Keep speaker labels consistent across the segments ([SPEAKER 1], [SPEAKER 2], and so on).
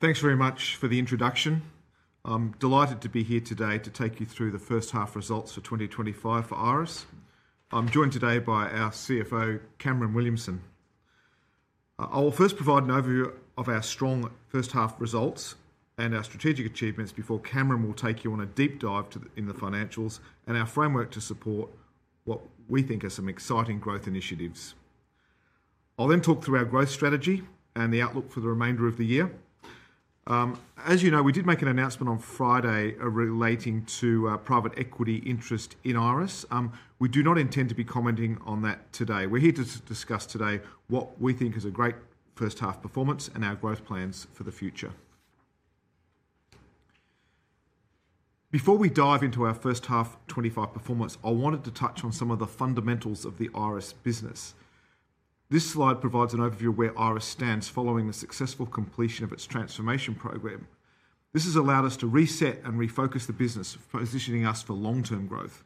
[SPEAKER 1] Thanks very much for the introduction. I'm delighted to be here today to take you through the first half results for 2025 for Iress. I'm joined today by our CFO, Cameron Williamson. I will first provide an overview of our strong first half results and our strategic achievements before Cameron will take you on a deep dive into the financials and our framework to support what we think are some exciting growth initiatives. I'll then talk through our growth strategy and the outlook for the remainder of the year. As you know, we did make an announcement on Friday relating to private equity interest in Iress. We do not intend to be commenting on that today. We're here to discuss today what we think is a great first half performance and our growth plans for the future. Before we dive into our first half 2025 performance, I wanted to touch on some of the fundamentals of the Iress business. This slide provides an overview of where Iress stands following the successful completion of its transformation program. This has allowed us to reset and refocus the business, positioning us for long-term growth.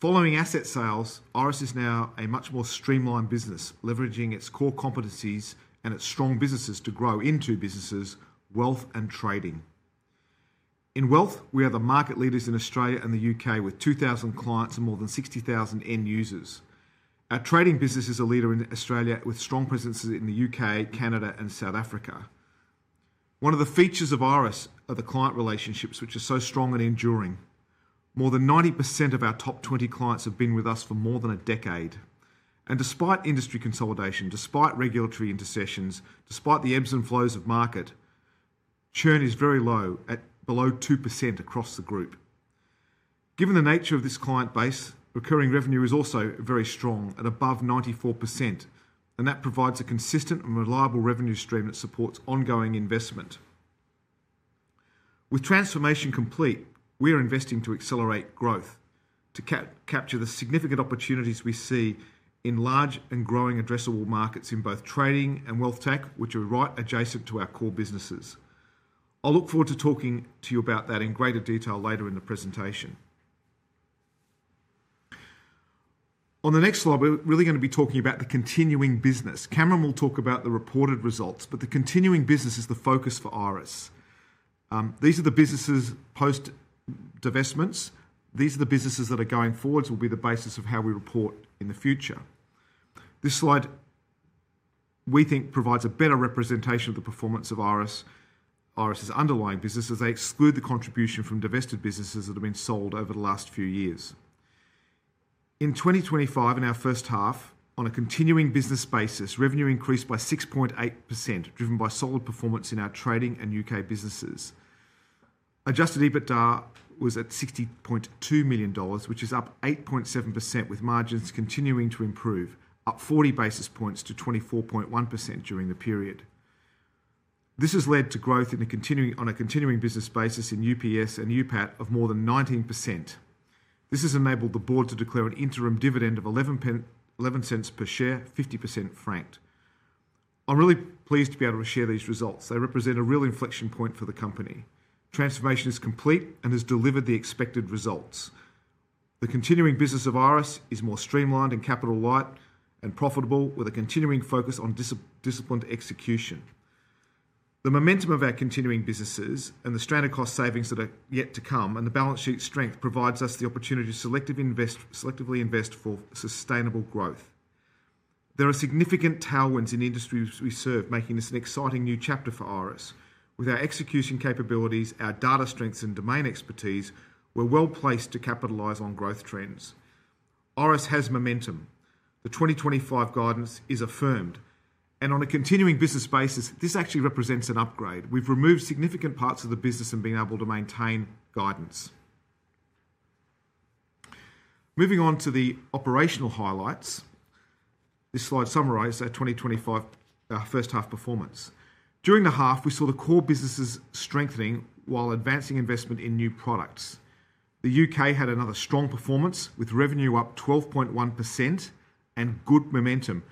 [SPEAKER 1] Following asset sales, Iress is now a much more streamlined business, leveraging its core competencies and its strong businesses to grow into businesses wealth and trading. In wealth, we are the market leaders in Australia and the U.K. with 2,000 clients and more than 60,000 end users. Our trading business is a leader in Australia with strong presences in the U.K., Canada, and South Africa. One of the features of Iress are the client relationships, which are so strong and enduring. More than 90% of our top 20 clients have been with us for more than a decade. Despite industry consolidation, despite regulatory intercessions, despite the ebbs and flows of market, churn is very low at below 2% across the group. Given the nature of this client base, recurring revenue is also very strong at above 94%, and that provides a consistent and reliable revenue stream that supports ongoing investment. With transformation complete, we are investing to accelerate growth to capture the significant opportunities we see in large and growing addressable markets in both trading and wealth tech, which are right adjacent to our core businesses. I look forward to talking to you about that in greater detail later in the presentation. On the next slide, we're really going to be talking about the continuing business. Cameron will talk about the reported results, but the continuing business is the focus for IRESS Ltd. These are the businesses post divestments. These are the businesses that are going forward and will be the basis of how we report in the future. This slide, we think, provides a better representation of the performance of Iress's underlying businesses. They exclude the contribution from divested businesses that have been sold over the last few years. In 2025, in our first half, on a continuing business basis, revenue increased by 6.8%, driven by solid performance in our Trading and Market Data and U.K. Business. Adjusted EBITDA was at CAD 60.2 million, which is up 8.7%, with margins continuing to improve, up 40 basis points to 24.1% during the period. This has led to growth on a continuing business basis in UPS and UPAT of more than 19%. This has enabled the board to declare an interim dividend of 0.11 per share, 50% franked. I'm really pleased to be able to share these results. They represent a real inflection point for the company. Transformation is complete and has delivered the expected results. The continuing business of Iress is more streamlined and capital-light and profitable, with a continuing focus on disciplined execution. The momentum of our continuing businesses and the stranded cost savings that are yet to come and the balance sheet strength provide us the opportunity to selectively invest for sustainable growth. There are significant tailwinds in industries we serve, making this an exciting new chapter for Iress. With our execution capabilities, our data strengths, and domain expertise, we're well placed to capitalize on growth trends. Iress has momentum. The 2025 guidance is affirmed. On a continuing business basis, this actually represents an upgrade. We've removed significant parts of the business and been able to maintain guidance. Moving on to the operational highlights, this slide summarizes our 2025 first half performance. During the half, we saw the core businesses strengthening while advancing investment in new products. The U.K. had another strong performance with revenue up 12.1% and good momentum.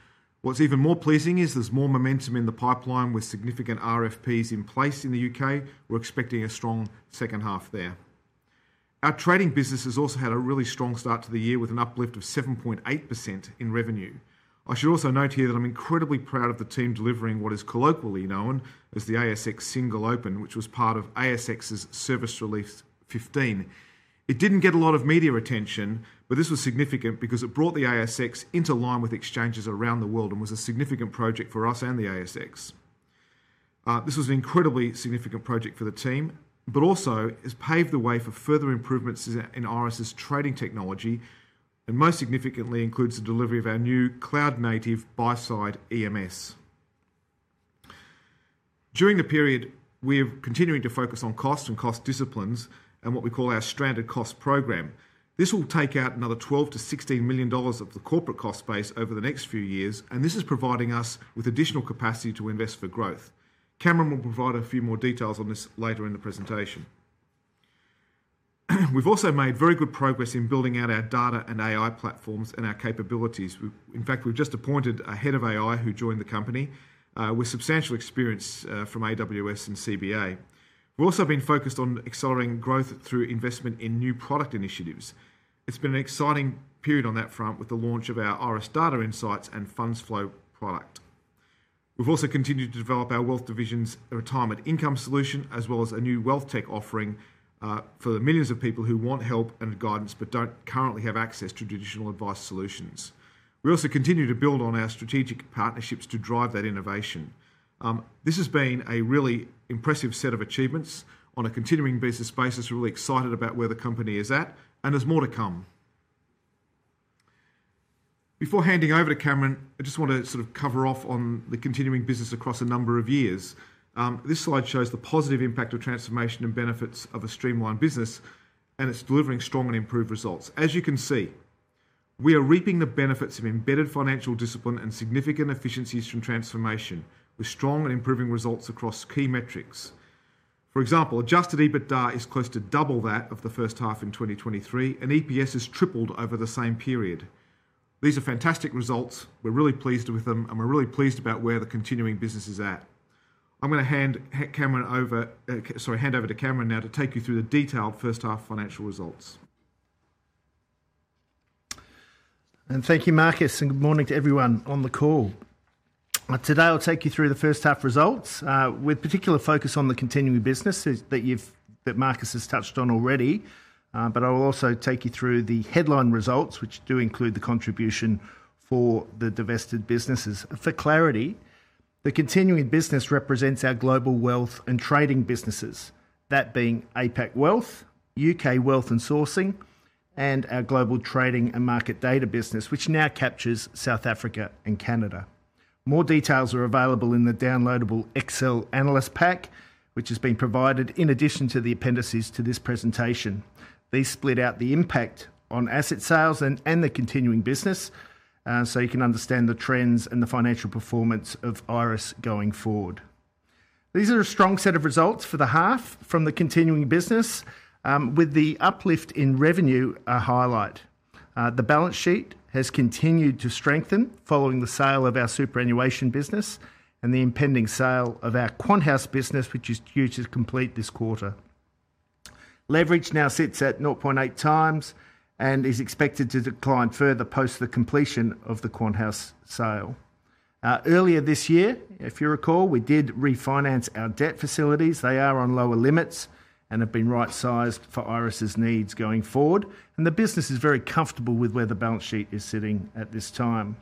[SPEAKER 1] What's even more pleasing is there's more momentum in the pipeline with significant RFPs in place in the U.K. We're expecting a strong second half there. Our Trading businesses also had a really strong start to the year with an uplift of 7.8% in revenue. I should also note here that I'm incredibly proud of the team delivering what is colloquially known as the ASX Single Open, which was part of ASX's Service Relief 15. It didn't get a lot of media attention, but this was significant because it brought the ASX into line with exchanges around the world and was a significant project for us and the ASX. This was an incredibly significant project for the team, but also has paved the way for further improvements in Iress's trading technology, and most significantly includes the delivery of our new cloud-native buy-side EMS platform. During the period, we're continuing to focus on cost and cost disciplines and what we call our stranded cost program. This will take out another 12 million-16 million dollars of the corporate cost base over the next few years, and this is providing us with additional capacity to invest for growth. Cameron will provide a few more details on this later in the presentation. We've also made very good progress in building out our data and AI platforms and our capabilities. In fact, we've just appointed a Head of AI who joined the company with substantial experience from AWS and CBA. We've also been focused on accelerating growth through investment in new product initiatives. It's been an exciting period on that front with the launch of our Iress Data Insights and Funds Flow product. We've also continued to develop our wealth division's retirement income solution, as well as a new wealth tech offering for the millions of people who want help and guidance but don't currently have access to traditional advice solutions. We also continue to build on our strategic partnerships to drive that innovation. This has been a really impressive set of achievements on a continuing business basis. We're really excited about where the company is at, and there's more to come. Before handing over to Cameron, I just want to sort of cover off on the continuing business across a number of years. This slide shows the positive impact of transformation and benefits of a streamlined business, and it's delivering strong and improved results. As you can see, we are reaping the benefits of embedded financial discipline and significant efficiencies from transformation with strong and improving results across key metrics. For example, adjusted EBITDA is close to double that of the first half in 2023, and EPS has tripled over the same period. These are fantastic results. We're really pleased with them, and we're really pleased about where the continuing business is at. I'm going to hand over to Cameron now to take you through the detailed first half financial results.
[SPEAKER 2] Thank you, Marcus, and good morning to everyone on the call. Today, I'll take you through the first half results with particular focus on the continuing business that Marcus has touched on already. I will also take you through the headline results, which do include the contribution for the divested businesses. For clarity, the continuing business represents our global wealth and trading businesses, that being APAC Wealth, U.K. Wealth & Sourcing, and our global Trading and Market Data business, which now captures South Africa and Canada. More details are available in the downloadable Excel analyst pack, which has been provided in addition to the appendices to this presentation. These split out the impact on asset sales and the continuing business, so you can understand the trends and the financial performance of Iress going forward. These are a strong set of results for the half from the continuing business, with the uplift in revenue a highlight. The balance sheet has continued to strengthen following the sale of our superannuation business and the impending sale of our Quant House business, which is due to complete this quarter. Leverage now sits at 0.8 times and is expected to decline further post the completion of the Quant House sale. Earlier this year, if you recall, we did refinance our debt facilities. They are on lower limits and have been right-sized for Iress' needs going forward. The business is very comfortable with where the balance sheet is sitting at this time.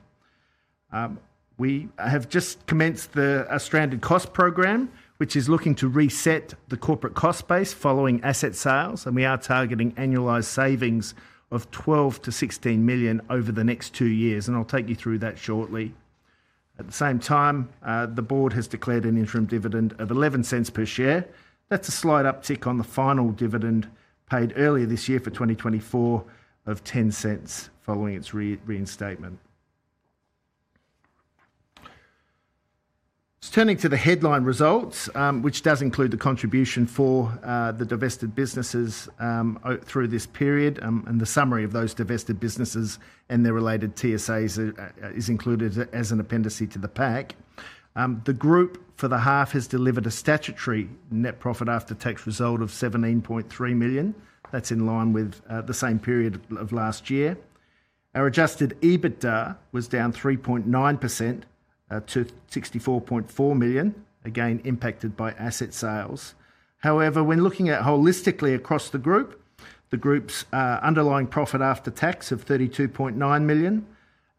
[SPEAKER 2] We have just commenced our stranded cost program, which is looking to reset the corporate cost base following asset sales, and we are targeting annualized savings of 12 million-16 million over the next two years, and I'll take you through that shortly. At the same time, the board has declared an interim dividend of 0.11 per share. That's a slight uptick on the final dividend paid earlier this year for 2024 of 0.10 following its reinstatement. Turning to the headline results, which does include the contribution for the divested businesses through this period, and the summary of those divested businesses and their related TSAs is included as an appendix to the pack. The group for the half has delivered a statutory net profit after tax result of 17.3 million. That's in line with the same period of last year. Our adjusted EBITDA was down 3.9% to 64.4 million, again impacted by asset sales. However, when looking at holistically across the group, the group's underlying profit after tax of 32.9 million,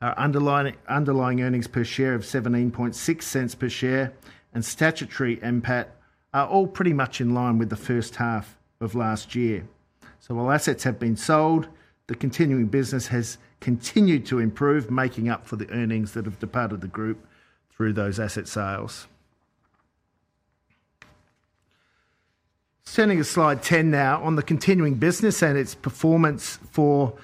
[SPEAKER 2] underlying earnings per share of 0.176 per share, and statutory NPAT are all pretty much in line with the first half of last year. While assets have been sold, the continuing business has continued to improve, making up for the earnings that have departed the group through those asset sales. Turning to slide 10 now on the continuing business and its performance for the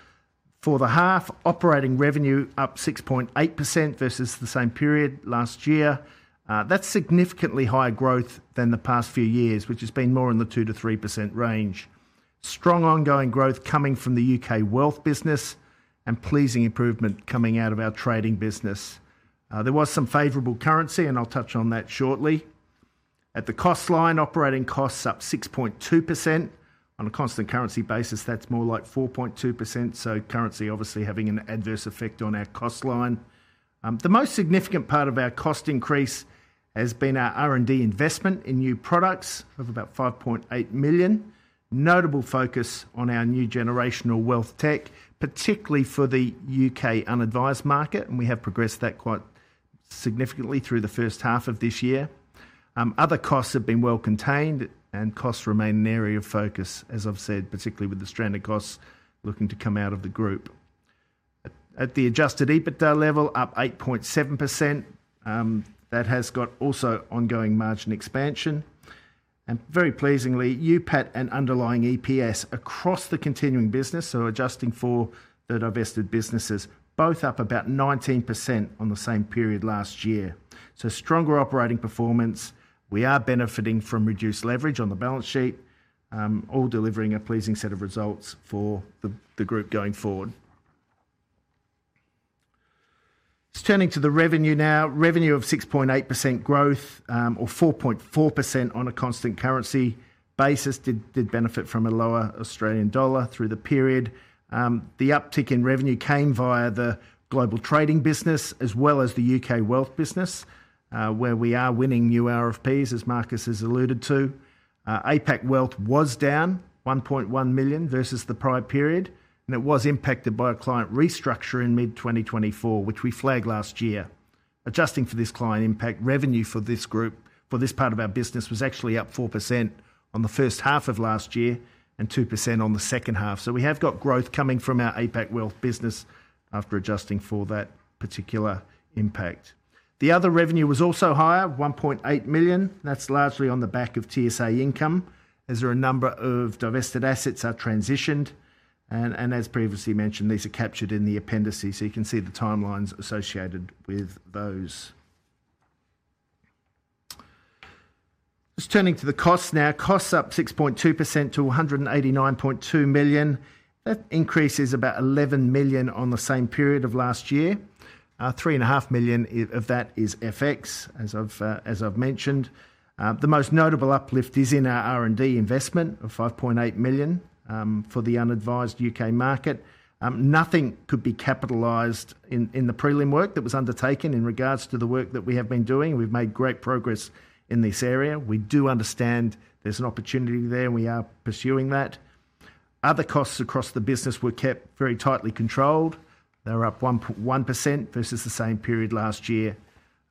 [SPEAKER 2] half, operating revenue up 6.8% versus the same period last year. That's significantly higher growth than the past few years, which has been more in the 2%-3% range. Strong ongoing growth coming from the U.K. Wealth business and pleasing improvement coming out of our Trading Data business. There was some favorable currency, and I'll touch on that shortly. At the cost line, operating costs up 6.2%. On a constant currency basis, that's more like 4.2%. Currency obviously having an adverse effect on our cost line. The most significant part of our cost increase has been our R&D investment in new products of about 5.8 million. Notable focus on our new generational wealth tech, particularly for the U.K. unadvised market, and we have progressed that quite significantly through the first half of this year. Other costs have been well contained, and costs remain an area of focus, as I've said, particularly with the stranded costs looking to come out of the group. At the adjusted EBITDA level, up 8.7%, that has got also ongoing margin expansion. Very pleasingly, UPAT and underlying EPS across the continuing business, so adjusting for the divested businesses, both up about 19% on the same period last year. Stronger operating performance. We are benefiting from reduced leverage on the balance sheet, all delivering a pleasing set of results for the group going forward. Turning to the revenue now, revenue of 6.8% growth, or 4.4% on a constant currency basis, did benefit from a lower Australian dollar through the period. The uptick in revenue came via the global Trading business as well as the U.K. Wealth business, where we are winning new RFPs, as Marcus has alluded to. APAC Wealth was down 1.1 million versus the prior period, and it was impacted by a client restructure in mid-2024, which we flagged last year. Adjusting for this client impact, revenue for this group, for this part of our business, was actually up 4% on the first half of last year and 2% on the second half. We have got growth coming from our APAC Wealth business after adjusting for that particular impact. The other revenue was also higher, 1.8 million. That's largely on the back of TSA income, as there are a number of divested assets that are transitioned. As previously mentioned, these are captured in the appendices, so you can see the timelines associated with those. Turning to the costs now, costs are up 6.2% to 189.2 million. That increase is about 11 million on the same period of last year. 3.5 million of that is FX, as I've mentioned. The most notable uplift is in our R&D investment of 5.8 million for the unadvised U.K. market. Nothing could be capitalized in the prelim work that was undertaken in regards to the work that we have been doing. We've made great progress in this area. We do understand there's an opportunity there, and we are pursuing that. Other costs across the business were kept very tightly controlled. They're up 1.1% versus the same period last year.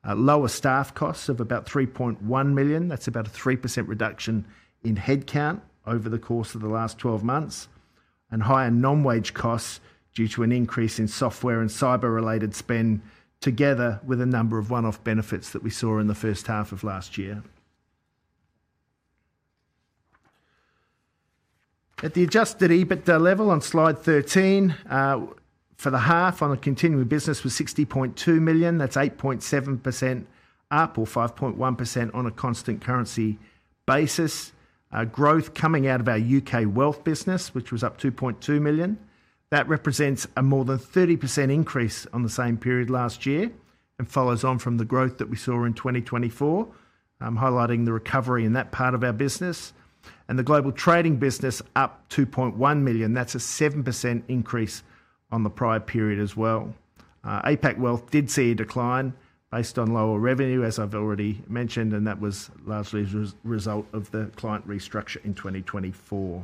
[SPEAKER 2] Lower staff costs of about 3.1 million. That's about a 3% reduction in headcount over the course of the last 12 months. Higher non-wage costs are due to an increase in software and cyber-related spend, together with a number of one-off benefits that we saw in the first half of last year. At the adjusted EBITDA level on slide 13, for the half on a continuing business was 60.2 million. That's 8.7% up or 5.1% on a constant currency basis. Growth is coming out of our U.K. Wealth business, which was up 2.2 million. That represents a more than 30% increase on the same period last year and follows on from the growth that we saw in 2024, highlighting the recovery in that part of our business. The global trading business is up 2.1 million. That's a 7% increase on the prior period as well. APAC Wealth did see a decline based on lower revenue, as I've already mentioned, and that was largely a result of the client restructure in 2024.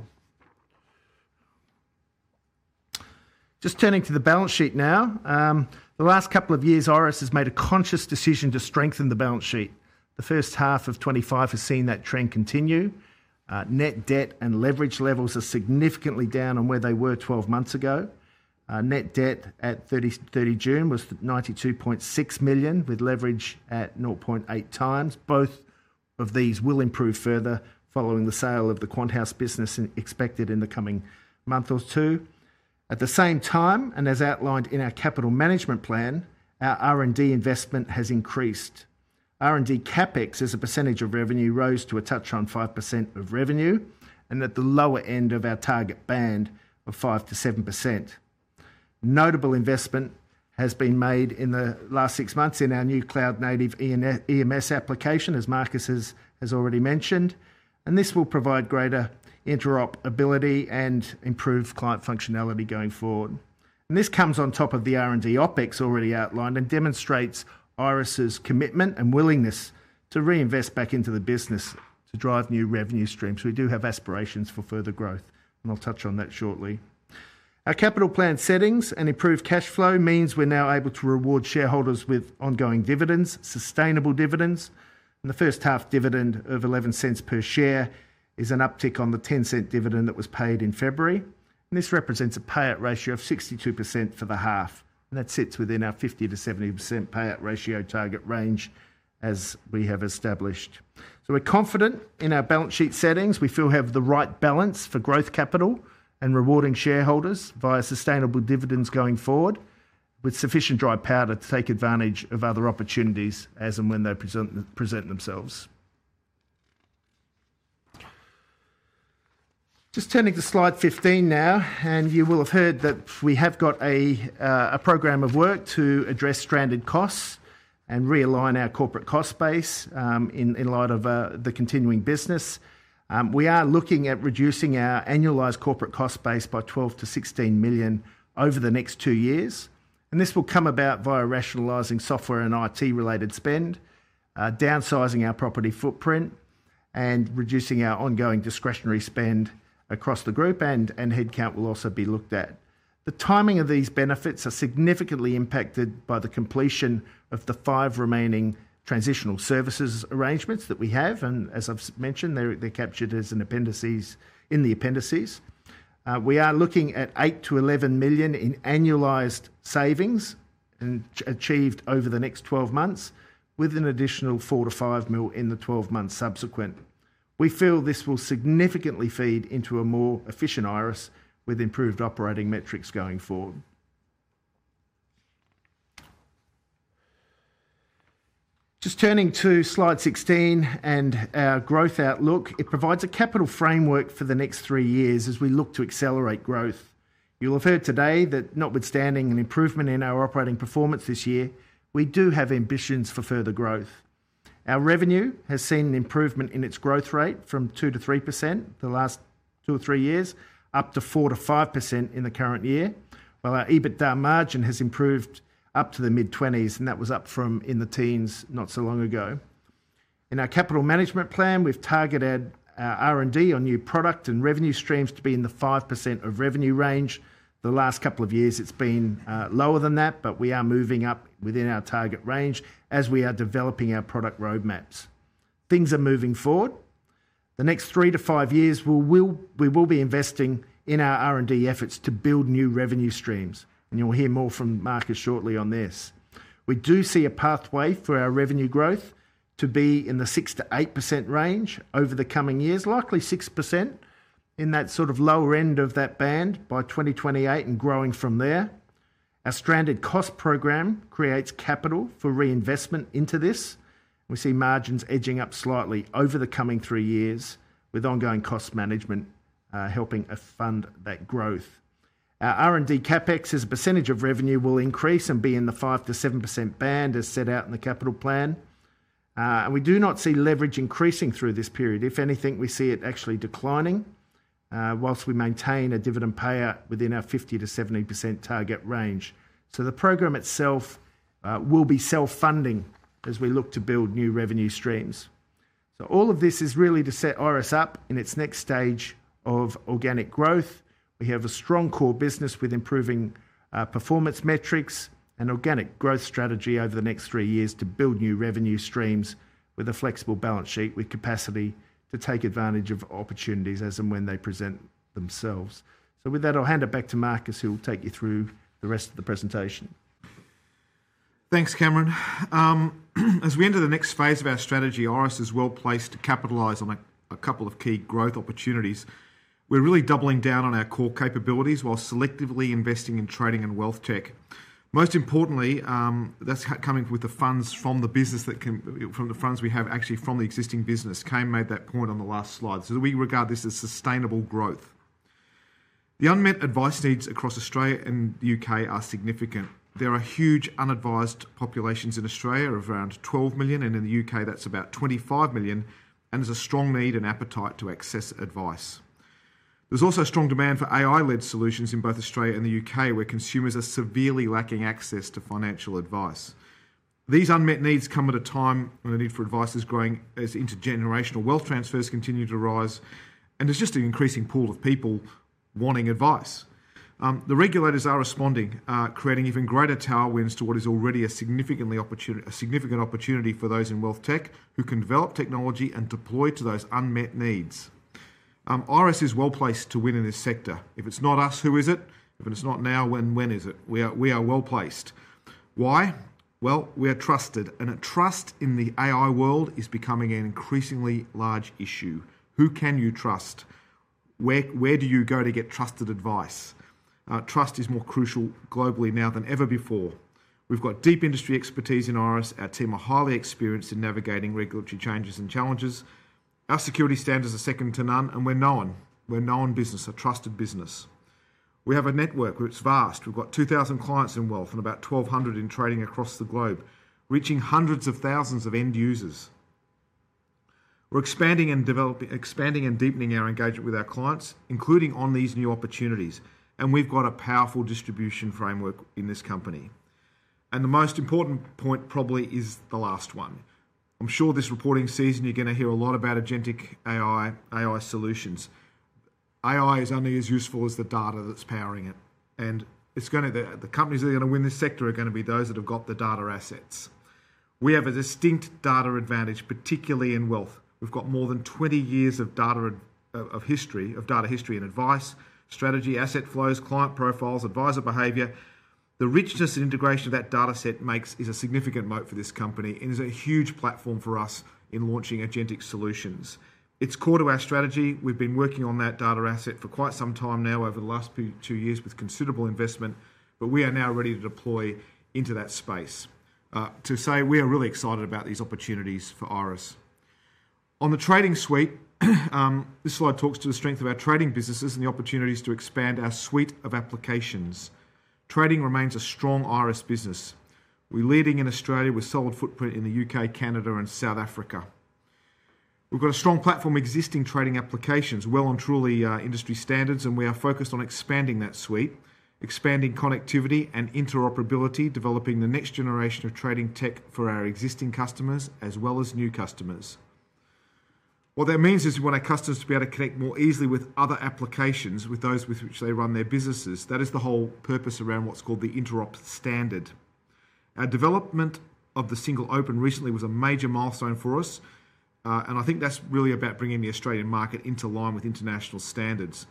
[SPEAKER 2] Turning to the balance sheet now, the last couple of years, Iress has made a conscious decision to strengthen the balance sheet. The first half of 2025 has seen that trend continue. Net debt and leverage levels are significantly down on where they were 12 months ago. Net debt at 30 June was 92.6 million, with leverage at 0.8x. Both of these will improve further following the sale of the Quant House business expected in the coming month or two. At the same time, and as outlined in our capital management plan, our R&D investment has increased. R&D CapEx as a percentage of revenue rose to a touch on 5% of revenue and at the lower end of our target band of 5%-7%. Notable investment has been made in the last six months in our new cloud-native EMS platform, as Marcus has already mentioned. This will provide greater interoperability and improve client functionality going forward. This comes on top of the R&D OpEx already outlined and demonstrates Iress' commitment and willingness to reinvest back into the business to drive new revenue streams. We do have aspirations for further growth, and I'll touch on that shortly. Our capital plan settings and improved cash flow mean we're now able to reward shareholders with ongoing, sustainable dividends. The first half dividend of 0.11 per share is an uptick on the 0.10 dividend that was paid in February. This represents a payout ratio of 62% for the half, and that sits within our 50%-70% payout ratio target range as we have established. We're confident in our balance sheet settings. We feel we have the right balance for growth capital and rewarding shareholders via sustainable dividends going forward with sufficient dry power to take advantage of other opportunities as and when they present themselves. Just turning to slide 15 now, you will have heard that we have got a program of work to address stranded costs and realign our corporate cost base in light of the continuing business. We are looking at reducing our annualized corporate cost base by 12 million-16 million over the next two years. This will come about via rationalizing software and IT-related spend, downsizing our property footprint, reducing our ongoing discretionary spend across the group, and headcount will also be looked at. The timing of these benefits is significantly impacted by the completion of the five remaining transitional services arrangements that we have, and as I've mentioned, they're captured in the appendices. We are looking at 8 million to 11 million in annualized savings achieved over the next 12 months with an additional 4 million-5 million in the 12 months subsequent. We feel this will significantly feed into a more efficient Iress with improved operating metrics going forward. Just turning to slide 16 and our growth outlook, it provides a capital framework for the next three years as we look to accelerate growth. You'll have heard today that notwithstanding an improvement in our operating performance this year, we do have ambitions for further growth. Our revenue has seen an improvement in its growth rate from 2%-3% the last two or three years up to 4%-5% in the current year, while our EBITDA margin has improved up to the mid-20%s, and that was up from in the teens not so long ago. In our capital management plan, we've targeted our R&D on new product and revenue streams to be in the 5% of revenue range. The last couple of years it's been lower than that, but we are moving up within our target range as we are developing our product roadmaps. Things are moving forward. The next three to five years, we will be investing in our R&D efforts to build new revenue streams, and you'll hear more from Marcus shortly on this. We do see a pathway for our revenue growth to be in the 6%-8% range over the coming years, likely 6% in that sort of lower end of that band by 2028 and growing from there. Our stranded cost program creates capital for reinvestment into this. We see margins edging up slightly over the coming three years with ongoing cost management helping fund that growth. Our R&D CapEx as a percentage of revenue will increase and be in the 5%-7% band as set out in the capital plan. We do not see leverage increasing through this period. If anything, we see it actually declining whilst we maintain a dividend payer within our 50%-70% target range. The program itself will be self-funding as we look to build new revenue streams. All of this is really to set Iress up in its next stage of organic growth. We have a strong core business with improving performance metrics and organic growth strategy over the next three years to build new revenue streams with a flexible balance sheet with capacity to take advantage of opportunities as and when they present themselves. With that, I'll hand it back to Marcus, who will take you through the rest of the presentation.
[SPEAKER 1] Thanks, Cameron. As we enter the next phase of our strategy, Ires is well placed to capitalize on a couple of key growth opportunities. We're really doubling down on our core capabilities while selectively investing in trading and wealth tech. Most importantly, that's coming with the funds from the business that can, from the funds we have actually from the existing business. Cameron made that point on the last slide. We regard this as sustainable growth. The unmet advice needs across Australia and the U.K. are significant. There are huge unadvised populations in Australia, around 12 million, and in the U.K., that's about 25 million, and there's a strong need and appetite to access advice. There's also strong demand for AI-led solutions in both Australia and the U.K., where consumers are severely lacking access to financial advice. These unmet needs come at a time when the need for advice is growing as intergenerational wealth transfers continue to arise, and there's just an increasing pool of people wanting advice. The regulators are responding, creating even greater tailwinds to what is already a significant opportunity for those in wealth tech who can develop technology and deploy to those unmet needs. Iress is well placed to win in this sector. If it's not us, who is it? If it's not now, when is it? We are well placed. Why? We are trusted, and trust in the AI world is becoming an increasingly large issue. Who can you trust? Where do you go to get trusted advice? Trust is more crucial globally now than ever before. We've got deep industry expertise in Iress. Our team are highly experienced in navigating regulatory changes and challenges. Our security standards are second to none, and we're known. We're a known business, a trusted business. We have a network which is vast. We've got 2,000 clients in wealth and about 1,200 in trading across the globe, reaching hundreds of thousands of end users. We're expanding and developing, expanding and deepening our engagement with our clients, including on these new opportunities. We've got a powerful distribution framework in this company. The most important point probably is the last one. I'm sure this reporting season, you're going to hear a lot about agentic AI solutions. AI is only as useful as the data that's powering it. The companies that are going to win this sector are going to be those that have got the data assets. We have a distinct data advantage, particularly in wealth. We've got more than 20 years of data history, of data history and advice, strategy, asset flows, client profiles, advisor behavior. The richness and integration of that data set is a significant moat for this company and is a huge platform for us in launching agentic solutions. It's core to our strategy. We've been working on that data asset for quite some time now over the last two years with considerable investment, but we are now ready to deploy into that space. To say we are really excited about these opportunities for Iress. On the trading suite, this slide talks to the strength of our trading businesses and the opportunities to expand our suite of applications. Trading remains a strong Iress business. We're leading in Australia with a solid footprint in the U.K., Canada, and South Africa. We've got a strong platform, existing trading applications, well and truly industry standards, and we are focused on expanding that suite, expanding connectivity and interoperability, developing the next generation of trading tech for our existing customers as well as new customers. What that means is we want our customers to be able to connect more easily with other applications, with those with which they run their businesses. That is the whole purpose around what's called the Interop Standard. Our development of the Single Open recently was a major milestone for us, and I think that's really about bringing the Australian market into line with international standards.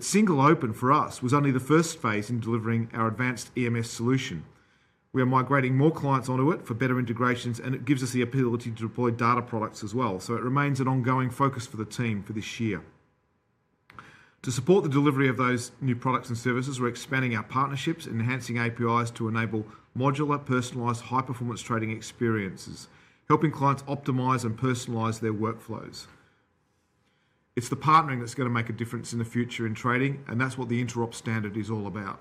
[SPEAKER 1] Single Open for us was only the first phase in delivering our advanced EMS solution. We are migrating more clients onto it for better integrations, and it gives us the ability to deploy data products as well. It remains an ongoing focus for the team for this year. To support the delivery of those new products and services, we're expanding our partnerships and enhancing APIs to enable modular, personalized, high-performance trading experiences, helping clients optimize and personalize their workflows. It's the partnering that's going to make a difference in the future in trading, and that's what the Interop Standard is all about.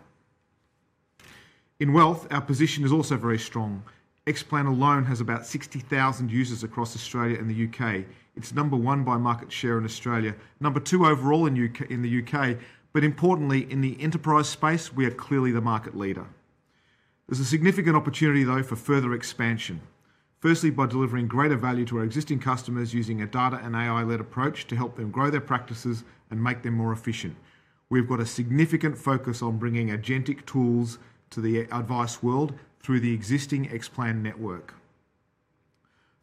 [SPEAKER 1] In wealth, our position is also very strong. XPlan alone has about 60,000 users across Australia and the U.K. It's number one by market share in Australia, number two overall in the U.K., but importantly, in the enterprise space, we are clearly the market leader. There's a significant opportunity, though, for further expansion. Firstly, by delivering greater value to our existing customers using a data and AI-led approach to help them grow their practices and make them more efficient. We've got a significant focus on bringing agentic AI tools to the advice world through the existing XPlan network.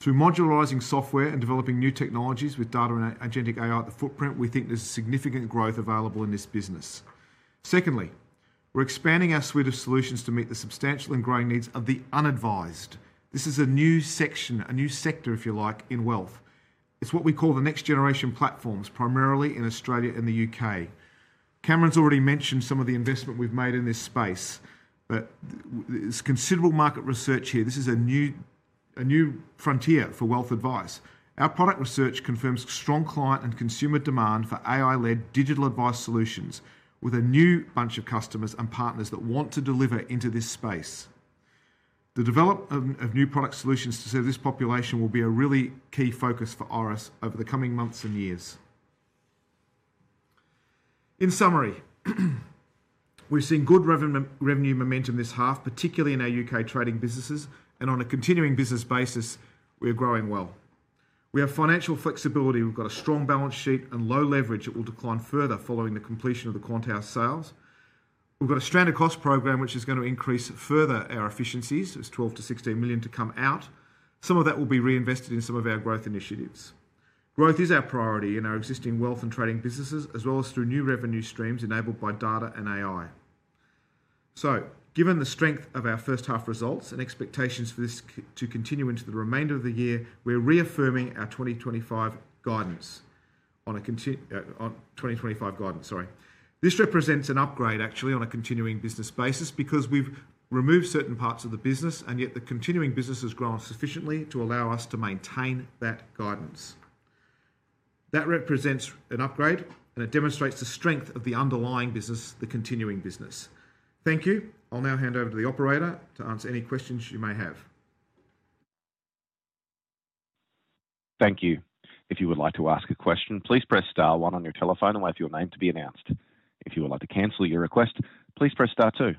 [SPEAKER 1] Through modularizing software and developing new technologies with data and agentic AI at the footprint, we think there's significant growth available in this business. Secondly, we're expanding our suite of solutions to meet the substantial and growing needs of the unadvised. This is a new section, a new sector, if you like, in wealth. It's what we call the next generation platforms, primarily in Australia and the U.K. Cameron's already mentioned some of the investment we've made in this space, but there's considerable market research here. This is a new frontier for wealth advice. Our product research confirms strong client and consumer demand for AI-led digital advice solutions with a new bunch of customers and partners that want to deliver into this space. The development of new product solutions to serve this population will be a really key focus for Iress over the coming months and years. In summary, we've seen good revenue momentum this half, particularly in our UK trading businesses, and on a continuing business basis, we are growing well. We have financial flexibility. We've got a strong balance sheet and low leverage that will decline further following the completion of the Quant House sales. We've got a stranded cost program, which is going to increase further our efficiencies. There's 12 million-16 million to come out. Some of that will be reinvested in some of our growth initiatives. Growth is our priority in our existing wealth and trading businesses, as well as through new revenue streams enabled by data and AI. Given the strength of our first half results and expectations for this to continue into the remainder of the year, we're reaffirming our 2025 guidance on a continuing business basis because we've removed certain parts of the business, and yet the continuing business has grown sufficiently to allow us to maintain that guidance. That represents an upgrade, and it demonstrates the strength of the underlying business, the continuing business. Thank you. I'll now hand over to the operator to answer any questions you may have.
[SPEAKER 3] Thank you. If you would like to ask a question, please press star one on your telephone and wait for your name to be announced. If you would like to cancel your request, please press star two.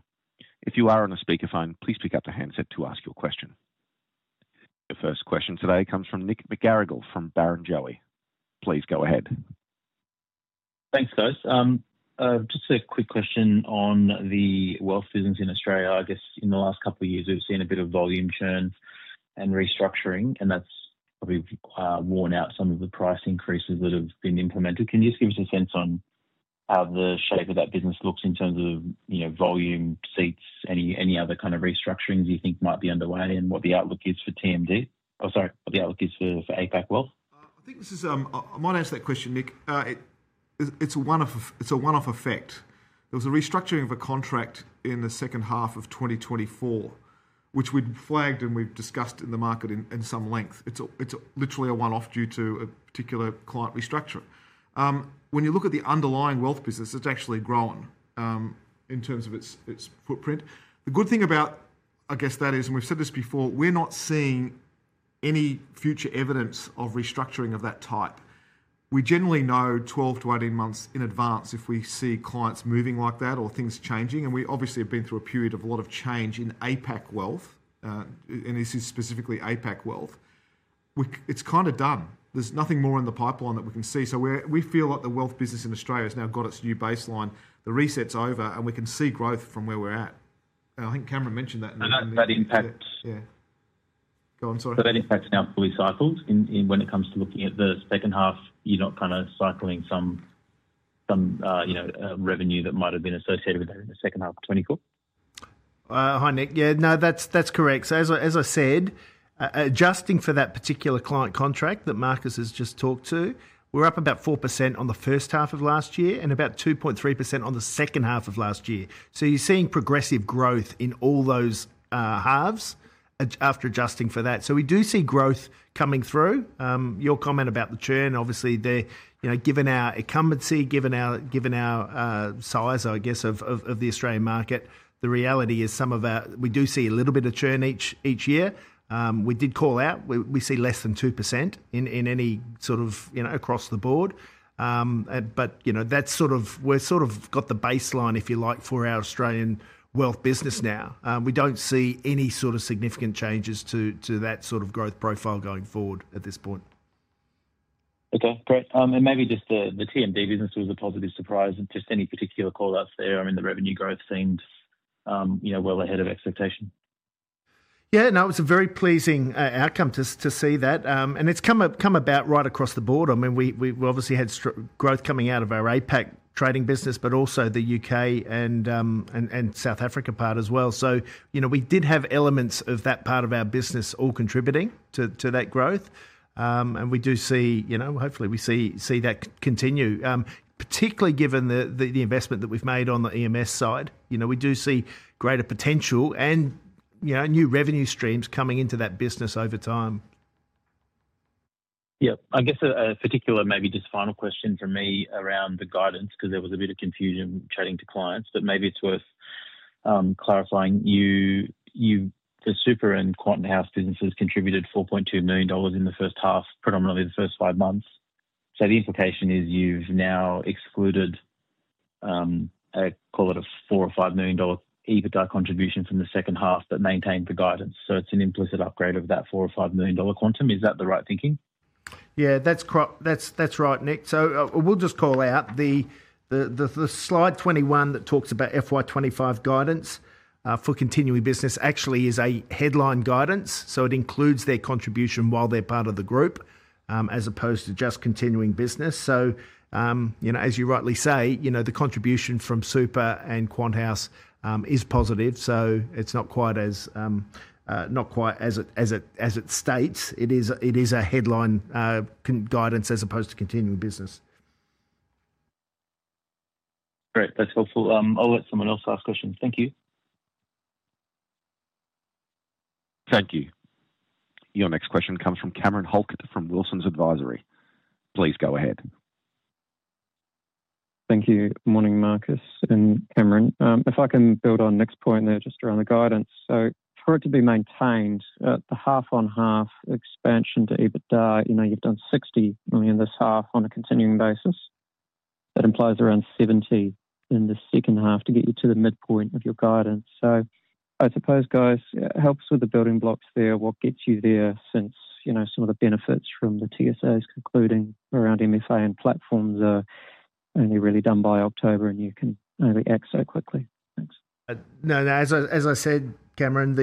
[SPEAKER 3] If you are on a speaker phone, please pick up the handset to ask your question. The first question today comes from Nick McGarrigle from Barrenjoey. Please go ahead.
[SPEAKER 4] Thanks, guys. Just a quick question on the wealth business in Australia. In the last couple of years, we've seen a bit of volume churn and restructuring, and that's probably worn out some of the price increases that have been implemented. Can you just give us a sense on how the shape of that business looks in terms of volume seats, any other kind of restructurings you think might be underway, and what the outlook is for APAC Wealth?
[SPEAKER 1] I think this is, I might answer that question, Nick. It's a one-off effect. There was a restructuring of a contract in the second half of 2024, which we'd flagged and we've discussed in the market at some length. It's literally a one-off due to a particular client restructure. When you look at the underlying wealth business, it's actually grown in terms of its footprint. The good thing about that is, and we've said this before, we're not seeing any future evidence of restructuring of that type. We generally know 12 months-18 months in advance if we see clients moving like that or things changing, and we obviously have been through a period of a lot of change in APAC Wealth, and this is specifically APAC Wealth. It's kind of done. There's nothing more in the pipeline that we can see. We feel like the wealth business in Australia has now got its new baseline. The reset's over, and we can see growth from where we're at. I think Cameron mentioned that.
[SPEAKER 4] That impacts, yeah, sorry. That impacts now fully cycled when it comes to looking at the second half. You're not kind of cycling some revenue that might have been associated with that in the second half of 2024.
[SPEAKER 2] Hi Nick. Yeah, no, that's correct. As I said, adjusting for that particular client contract that Marcus has just talked to, we're up about 4% on the first half of last year and about 2.3% on the second half of last year. You're seeing progressive growth in all those halves after adjusting for that. We do see growth coming through. Your comment about the churn, obviously, given our incumbency, given our size, I guess, of the Australian market, the reality is some of that, we do see a little bit of churn each year. We did call out, we see less than 2% in any sort of, you know, across the board. That's sort of, we've sort of got the baseline, if you like, for our Australian wealth business now. We don't see any significant changes to that sort of growth profile going forward at this point.
[SPEAKER 4] Okay, great. Maybe just the Trading and Market Data business was a positive surprise. Any particular call-outs there? I mean, the revenue growth seemed, you know, well ahead of expectation.
[SPEAKER 1] Yeah, no, it was a very pleasing outcome to see that. It's come about right across the board. I mean, we obviously had growth coming out of our APAC trading business, but also the U.K. and South Africa part as well. We did have elements of that part of our business all contributing to that growth. We do see, you know, hopefully we see that continue, particularly given the investment that we've made on the EMS side. We do see greater potential and, you know, new revenue streams coming into that business over time.
[SPEAKER 4] I guess a particular, maybe just final question from me around the guidance because there was a bit of confusion chatting to clients, but maybe it's worth clarifying. The Super and Quant House businesses contributed 4.2 million dollars in the first half, predominantly the first five months. The implication is you've now excluded, I call it a 4 or 5 million dollar EBITDA contribution from the second half but maintained the guidance. It's an implicit upgrade of that 4 million or $5 million quantum. Is that the right thinking?
[SPEAKER 2] Yeah, that's right, Nick. We'll just call out slide 21 that talks about FY 2025 guidance for continuing business. Actually, it is a headline guidance, so it includes their contribution while they're part of the group as opposed to just continuing business. As you rightly say, the contribution from Super and Quant House is positive. It's not quite as it states. It is a headline guidance as opposed to continuing business.
[SPEAKER 4] Great, that's helpful. I'll let someone else ask questions. Thank you.
[SPEAKER 3] Thank you. Your next question comes from Cameron Halkett from Wilsons Advisory. Please go ahead.
[SPEAKER 5] Thank you. Morning, Marcus and Cameron. If I can build on the next point there just around the guidance. For it to be maintained at the half-on-half expansion to EBITDA, you've done 60 million this half on a continuing basis. That implies around 70 million in the second half to get you to the midpoint of your guidance. I suppose, guys, help us with the building blocks there. What gets you there since some of the benefits from the TSAs concluding around MFA and platforms are only really done by October and you can only act so quickly. Thanks.
[SPEAKER 2] No, as I said, Cameron,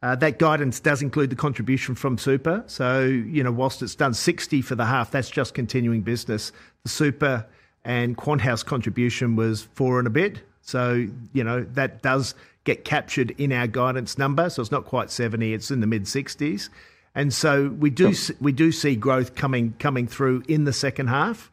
[SPEAKER 2] that guidance does include the contribution from Super. Whilst it's done 60 million for the half, that's just continuing business. The Super and Quant House contribution was 4 million and a bit. That does get captured in our guidance number. It's not quite 70 million, it's in the mid-CAD 60 million range. We do see growth coming through in the second half.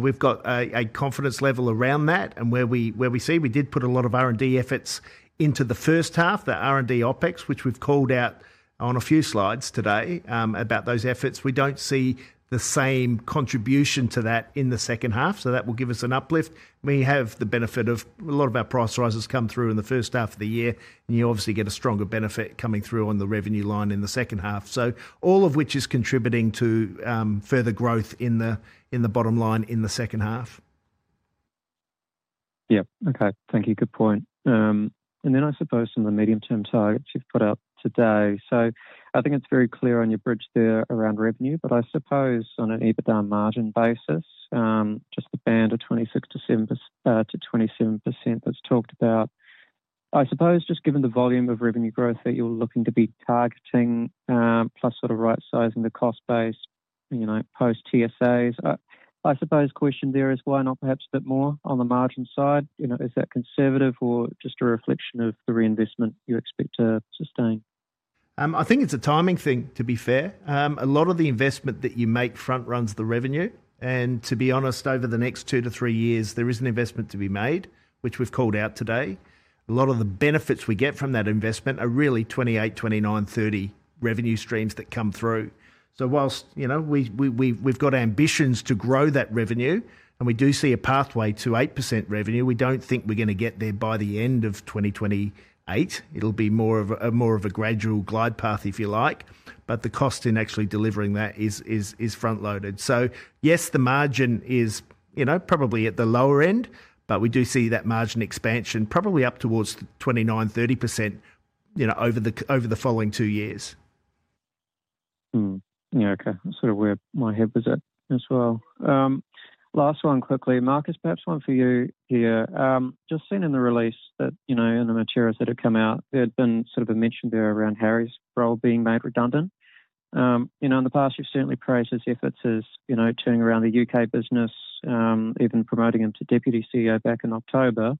[SPEAKER 2] We've got a confidence level around that and where we see we did put a lot of R&D efforts into the first half, the R&D OpEx, which we've called out on a few slides today about those efforts. We don't see the same contribution to that in the second half. That will give us an uplift. We have the benefit of a lot of our price rises coming through in the first half of the year, and you obviously get a stronger benefit coming through on the revenue line in the second half, all of which is contributing to further growth in the bottom line in the second half.
[SPEAKER 5] Okay, thank you. Good point. I suppose on the medium-term targets you've put out today, it's very clear on your bridge there around revenue, but I suppose on an EBITDA margin basis, just the band of 26%-27% that's talked about. I suppose just given the volume of revenue growth that you're looking to be targeting, plus sort of right-sizing the cost base, you know, post-TSAs, the question there is why not perhaps a bit more on the margin side. Is that conservative or just a reflection of the reinvestment you expect to sustain?
[SPEAKER 2] I think it's a timing thing, to be fair. A lot of the investment that you make front runs the revenue, and to be honest, over the next two to three years, there is an investment to be made, which we've called out today. A lot of the benefits we get from that investment are really 2028, 2029, 2030 revenue streams that come through. Whilst we've got ambitions to grow that revenue, and we do see a pathway to 8% revenue, we don't think we're going to get there by the end of 2028. It'll be more of a gradual glide path, if you like, but the cost in actually delivering that is front-loaded. Yes, the margin is probably at the lower end, but we do see that margin expansion probably up towards 29%, 30% over the following two years.
[SPEAKER 5] Yeah, okay. That's sort of where my head was at as well. Last one quickly, Marcus, perhaps one for you here. Just seen in the release that, you know, in the materials that have come out, there had been sort of a mention there around Harry's role being made redundant. In the past, you've certainly praised his efforts as, you know, turning around the U.K. Business, even promoting him to Deputy CEO back in October,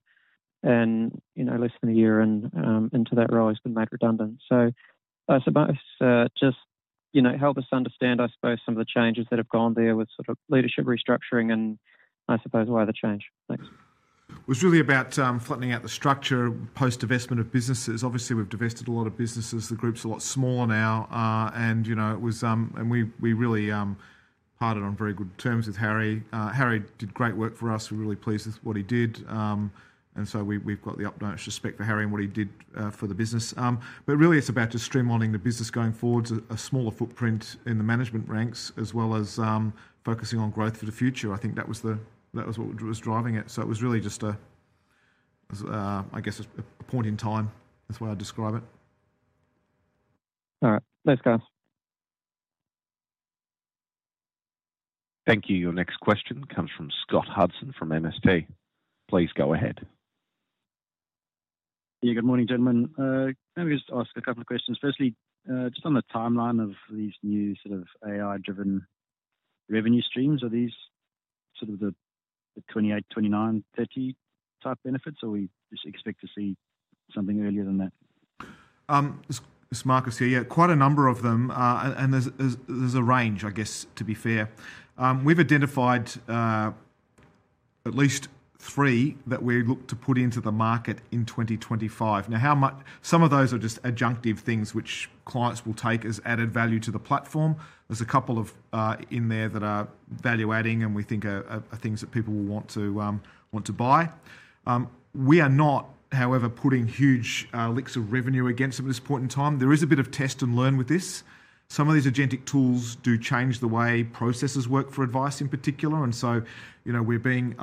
[SPEAKER 5] and, you know, less than a year into that role has been made redundant. I suppose, just, you know, help us understand, I suppose, some of the changes that have gone there with sort of leadership restructuring and, I suppose, why the change. Thanks.
[SPEAKER 1] It was really about flattening out the structure post-divestment of businesses. Obviously, we've divested a lot of businesses. The group's a lot smaller now, and we really parted on very good terms with Harry. Harry did great work for us. We're really pleased with what he did. We've got the utmost respect for Harry and what he did for the business. It is about just streamlining the business going forward, a smaller footprint in the management ranks, as well as focusing on growth for the future. I think that was what was driving it. It was really just a point in time. That's the way I'd describe it.
[SPEAKER 5] All right. Thanks, guys.
[SPEAKER 3] Thank you. Your next question comes from Scott Hudson from MST. Please go ahead.
[SPEAKER 6] Yeah, good morning, gentlemen. Can I just ask a couple of questions? Firstly, just on the timeline of these new sort of AI-driven revenue streams, are these sort of the 2028, 2029, 2030 type benefits, or do we just expect to see something earlier than that?
[SPEAKER 1] It's Marcus here. Yeah, quite a number of them. There's a range, I guess, to be fair. We've identified at least three that we look to put into the market in 2025. Some of those are just adjunctive things which clients will take as added value to the platform. There's a couple in there that are value-adding and we think are things that people will want to buy. We are not, however, putting huge licks of revenue against them at this point in time. There is a bit of test and learn with this. Some of these agentic AI tools do change the way processes work for advice in particular. We're being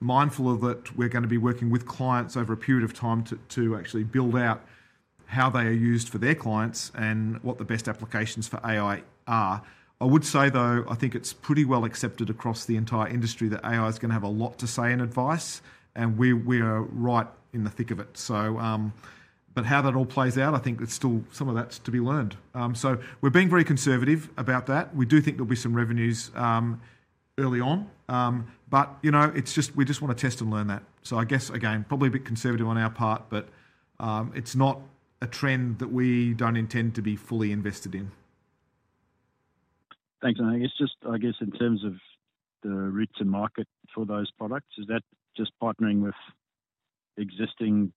[SPEAKER 1] mindful of that. We're going to be working with clients over a period of time to actually build out how they are used for their clients and what the best applications for AI are. I would say, though, I think it's pretty well accepted across the entire industry that AI is going to have a lot to say in advice, and we are right in the thick of it. How that all plays out, I think some of that's still to be learned. We're being very conservative about that. We do think there'll be some revenues early on, but we just want to test and learn that. I guess, again, probably a bit conservative on our part, but it's not a trend that we don't intend to be fully invested in.
[SPEAKER 6] Thanks. I guess in terms of the reach and market for those products, is that just partnering with existing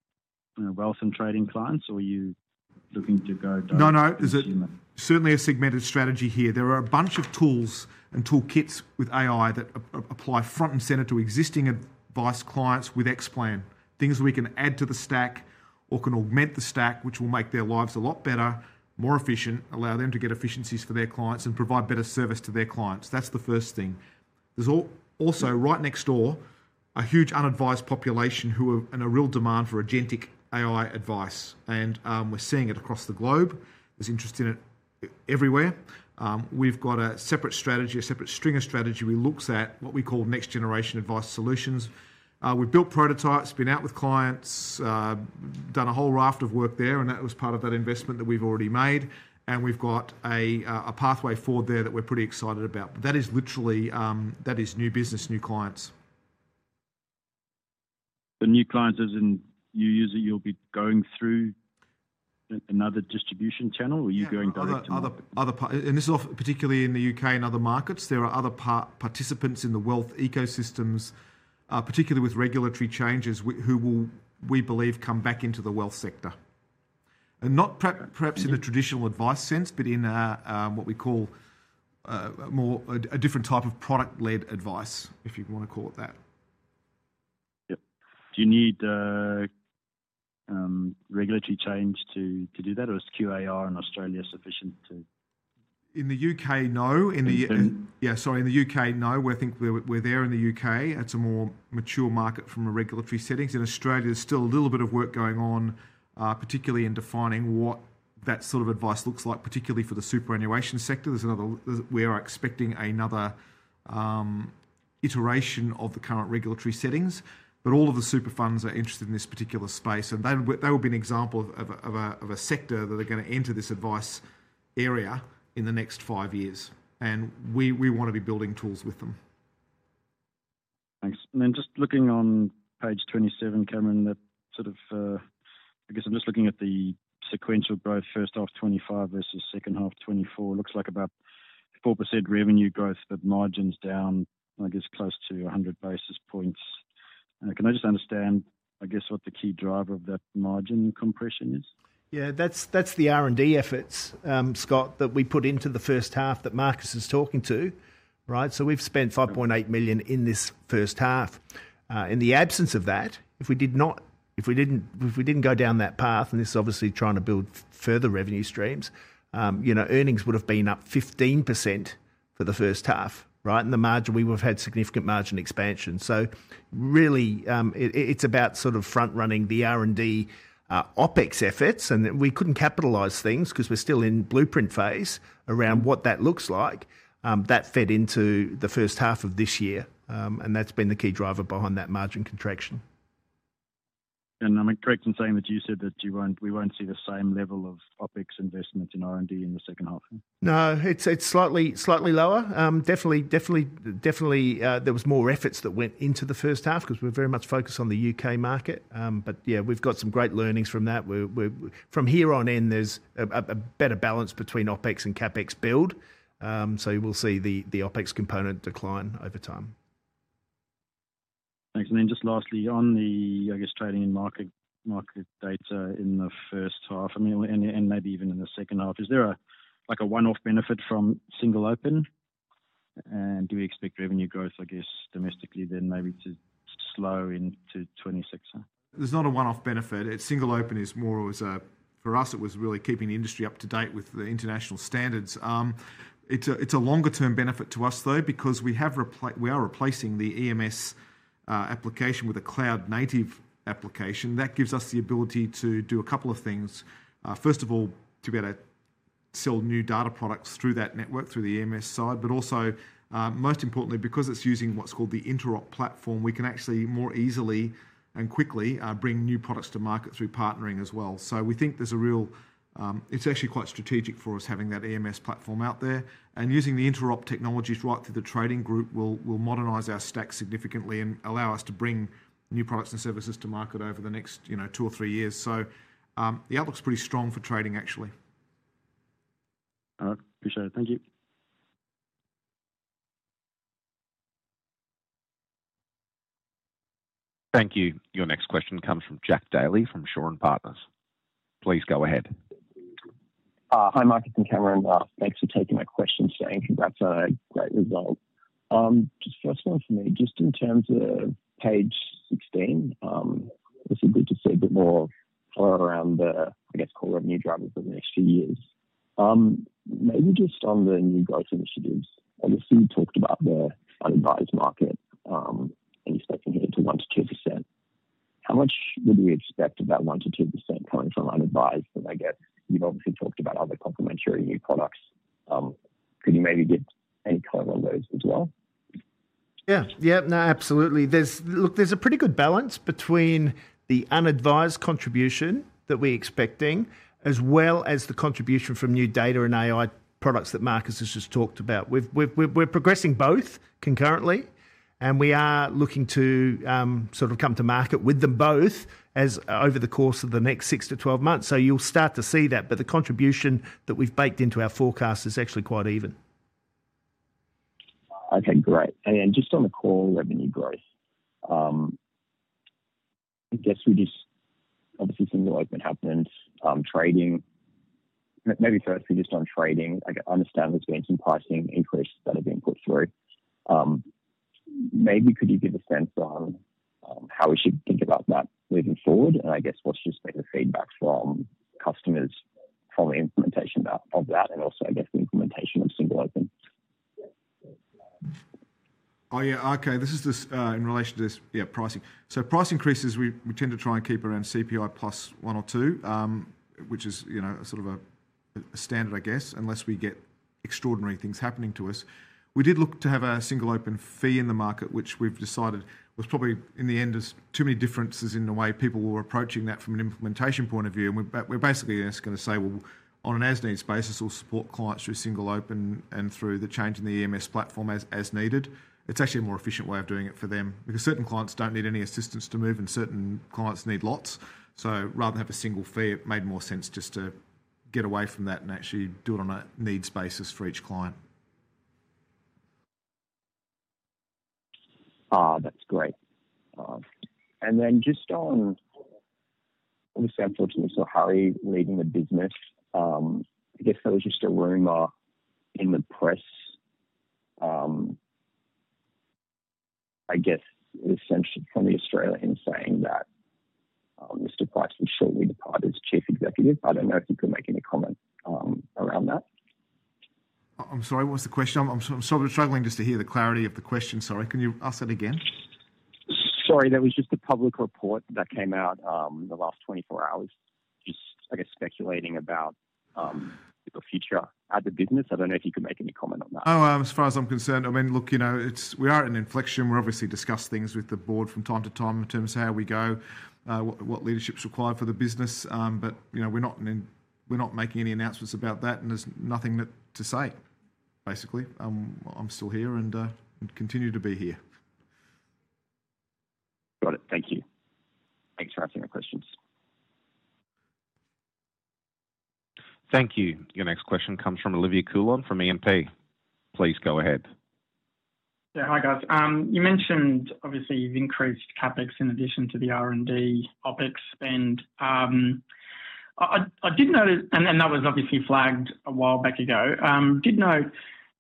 [SPEAKER 6] wealth and trading clients, or are you looking to go?
[SPEAKER 1] No, no, it's certainly a segmented strategy here. There are a bunch of tools and toolkits with AI that apply front and center to existing advice clients with XPlan. Things we can add to the stack or can augment the stack, which will make their lives a lot better, more efficient, allow them to get efficiencies for their clients, and provide better service to their clients. That's the first thing. There's also right next door a huge unadvised population who are in a real demand for agentic AI advice, and we're seeing it across the globe. There's interest in it everywhere. We've got a separate strategy, a separate string of strategy. We looked at what we call next-generation advice solutions. We built prototypes, been out with clients, done a whole raft of work there, and that was part of that investment that we've already made. We've got a pathway forward there that we're pretty excited about. That is literally, that is new business, new clients.
[SPEAKER 6] The new clients, as in you use it, you'll be going through another distribution channel, or are you going direct to?
[SPEAKER 1] Other parts, and this is particularly in the U.K. and other markets, there are other participants in the wealth ecosystems, particularly with regulatory changes, who will, we believe, come back into the wealth sector, not perhaps in the traditional advice sense, but in what we call a different type of product-led advice, if you want to call it that.
[SPEAKER 6] Yep. Do you need regulatory change to do that, or is QAR in Australia sufficient to?
[SPEAKER 1] In the U.K., no. Sorry, in the U.K., no. I think we're there in the U.K. It's a more mature market from a regulatory setting. In Australia, there's still a little bit of work going on, particularly in defining what that sort of advice looks like, particularly for the superannuation sector. We are expecting another iteration of the current regulatory settings. All of the super funds are interested in this particular space, and they will be an example of a sector that are going to enter this advice area in the next five years, and we want to be building tools with them.
[SPEAKER 6] Thanks. Just looking on page 27, Cameron, that sort of, I guess I'm just looking at the sequential growth, first half 2025 versus second half 2024. It looks like about 4% revenue growth, but margins down, I guess, close to 100 basis points. Can I just understand what the key driver of that margin compression is?
[SPEAKER 2] Yeah, that's the R&D efforts, Scott, that we put into the first half that Marcus is talking to, right? We've spent 5.8 million in this first half. In the absence of that, if we didn't go down that path, and this is obviously trying to build further revenue streams, earnings would have been up 15% for the first half, right? The margin, we would have had significant margin expansion. It's about sort of front-running the R&D OpEx efforts, and we couldn't capitalize things because we're still in blueprint phase around what that looks like. That fed into the first half of this year, and that's been the key driver behind that margin contraction.
[SPEAKER 6] I'm correct in saying that you said that we won't see the same level of OpEx investments in R&D in the second half.
[SPEAKER 2] No, it's slightly lower. Definitely, definitely, definitely there were more efforts that went into the first half because we're very much focused on the UK market. We've got some great learnings from that. From here on in, there's a better balance between OpEx and CapEx build. We'll see the OpEx component decline over time.
[SPEAKER 6] Thanks. Lastly, on the Trading and Market Data in the first half, and maybe even in the second half, is there a one-off benefit from Single Open? Do we expect revenue growth domestically then maybe to slow into 2026?
[SPEAKER 1] There's not a one-off benefit. Single Open is more or less, for us, it was really keeping the industry up to date with the international standards. It's a longer-term benefit to us, though, because we are replacing the EMS application with a cloud-native EMS platform. That gives us the ability to do a couple of things. First of all, to be able to sell new data products through that network, through the EMS side, but also, most importantly, because it's using what's called the Interop platform, we can actually more easily and quickly bring new products to market through partnering as well. We think there's a real, it's actually quite strategic for us having that EMS platform out there. Using the Interop technologies right through the trading group will modernize our stack significantly and allow us to bring new products and services to market over the next two or three years. The outlook's pretty strong for trading, actually.
[SPEAKER 6] All right, appreciate it. Thank you.
[SPEAKER 3] Thank you. Your next question comes from Jack Daley from Shaw and Partners. Please go ahead.
[SPEAKER 7] Hi, Marcus and Cameron. Thanks for taking that question, Shane, because that's a great result. Just first one for me, in terms of page 16, it's a bit to see a bit more around the, I guess, call it new drivers for the next few years. Maybe just on the new growth initiatives, you talked about the unadvised market and you spoke to 1%-2%. How much would we expect of that 1%-2% coming from unadvised? You've obviously talked about other complementary new products. Could you maybe give any color on those as well?
[SPEAKER 2] Absolutely. Look, there's a pretty good balance between the unadvised contribution that we're expecting, as well as the contribution from new data and AI products that Marcus has just talked about. We're progressing both concurrently, and we are looking to sort of come to market with them both over the course of the next 6 months-12 months. You'll start to see that, but the contribution that we've baked into our forecast is actually quite even.
[SPEAKER 7] Okay, great. Just on the core revenue growth, I guess we just obviously Single Open happened. Trading, maybe firstly just on trading, I understand there's been some pricing increase that have been put through. Maybe could you give a sense on how we should think about that moving forward? I guess what's your specific feedback from customers on the implementation of that and also, I guess, the implementation of Single Open?
[SPEAKER 1] Okay, this is just in relation to this, yeah, pricing. Price increases, we tend to try and keep around CPI plus one or two, which is, you know, a sort of a standard, I guess, unless we get extraordinary things happening to us. We did look to have a Single Open fee in the market, which we've decided was probably in the end as too many differences in the way people were approaching that from an implementation point of view. We're basically just going to say, on an as-needs basis, we'll support clients through Single Open and through the change in the EMS platform as needed. It's actually a more efficient way of doing it for them because certain clients don't need any assistance to move and certain clients need lots. Rather than have a single fee, it made more sense just to get away from that and actually do it on a needs basis for each client.
[SPEAKER 7] That's great. Just on, obviously, I've talked to Mr. Harry leading the business. There was just a rumor in the press, essentially from The Australian, saying that Mr. Price would shortly depart as Chief Executive. I don't know if you could make any comment.
[SPEAKER 1] I'm sorry, what was the question? I'm struggling just to hear the clarity of the question. Sorry, can you ask that again?
[SPEAKER 7] Sorry, there was just a public report that came out in the last 24 hours, speculating about the future of the business. I don't know if you could make any comment on that.
[SPEAKER 1] As far as I'm concerned, we are in an inflection. We obviously discuss things with the board from time to time in terms of how we go, what leadership's required for the business. We're not making any announcements about that, and there's nothing to say, basically. I'm still here and continue to be here.
[SPEAKER 7] Got it. Thank you. Thanks for answering the questions.
[SPEAKER 3] Thank you. Your next question comes from Olivia Coulon from EMP. Please go ahead.
[SPEAKER 8] Yeah, hi guys. You mentioned obviously you've increased CapEx in addition to the R&D OpEx spend. I did notice, and that was obviously flagged a while back, did note a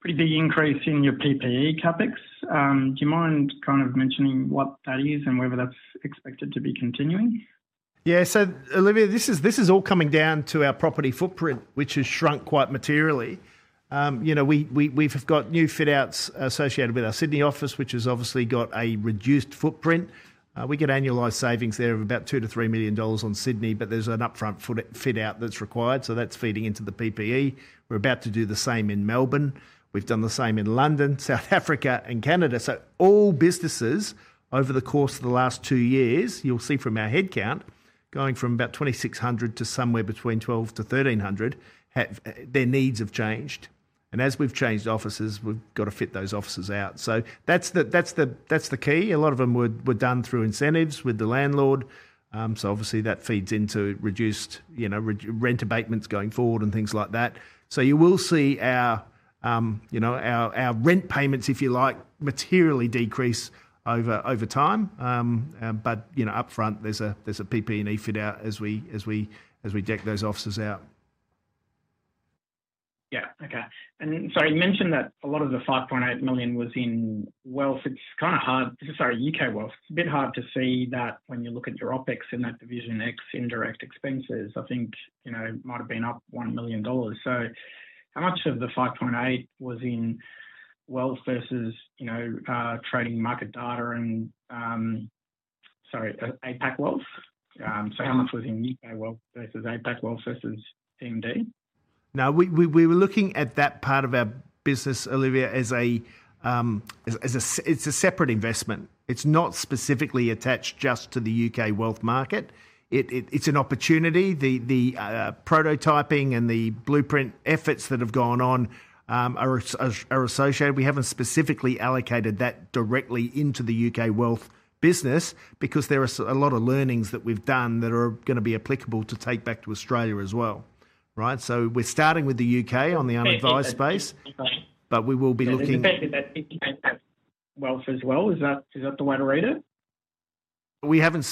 [SPEAKER 8] pretty big increase in your PPE CapEx. Do you mind kind of mentioning what that is and whether that's expected to be continuing?
[SPEAKER 2] Yeah, Olivia, this is all coming down to our property footprint, which has shrunk quite materially. We've got new fit-outs associated with our Sydney office, which has obviously got a reduced footprint. We get annualized savings there of about 2 million-3 million dollars on Sydney, but there's an upfront fit-out that's required. That's feeding into the PPE. We're about to do the same in Melbourne. We've done the same in London, South Africa, and Canada. All businesses over the course of the last two years, you'll see from our headcount going from about 2,600 to somewhere between 1,200-1,300, their needs have changed. As we've changed offices, we've got to fit those offices out. That's the key. A lot of them were done through incentives with the landlord. That feeds into reduced rent abatements going forward and things like that. You will see our rent payments, if you like, materially decrease over time. Upfront, there's a PPE and E-fit-out as we deck those offices out.
[SPEAKER 8] Okay. Sorry, you mentioned that a lot of the 5.8 million was in wealth. This is, sorry, U.K. wealth. It's a bit hard to see that when you look at your OpEx and that Division X indirect expenses. I think it might have been up 1 million dollars. How much of the 5.8 million was in wealth versus trading and market data, and, sorry, APAC Wealth? How much was in U.K. wealth versus APAC Wealth versus TMD?
[SPEAKER 2] No, we were looking at that part of our business, Olivia, as a, it's a separate investment. It's not specifically attached just to the U.K. wealth market. It's an opportunity. The prototyping and the blueprint efforts that have gone on are associated. We haven't specifically allocated that directly into the U.K. wealth business because there are a lot of learnings that we've done that are going to be applicable to take back to Australia as well. Right. We're starting with the U.K. on the unadvised space, but we will be looking.
[SPEAKER 8] I guess you said that wealth as well. Is that the wider rating?
[SPEAKER 2] We haven't